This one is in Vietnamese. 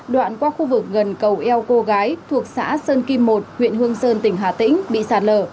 đoạn qua khu vực gần cầu eo cô gái thuộc xã sơn kim một huyện hương sơn tỉnh hà tĩnh bị sạt lở